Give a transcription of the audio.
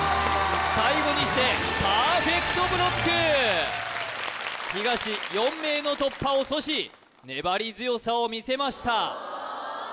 最後にしてパーフェクトブロック東４名の突破を阻止ねばり強さを見せました